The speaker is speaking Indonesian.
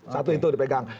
satu itu dipegang